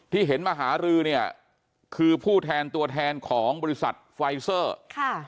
ที่เห็นมหารือเนี่ยคือผู้แทนตัวแทนของบริษัทไฟเซอร์ค่ะ